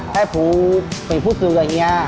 ให้ผมไปพูดสูงกับเฮีย